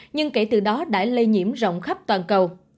nhưng kể từ đó đã lây nhiễm rộng khắp toàn cầu